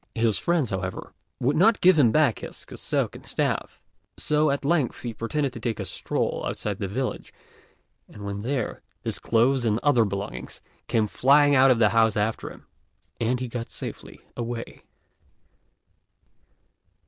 His friends, however, would not give him back his cassock and staff; so at length he pretended to take a stroll outside the village, and when there, his clothes and other belongings came flying out of the house after him, and he got safely away.